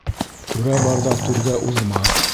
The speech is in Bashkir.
Түрә барҙа түргә уҙма.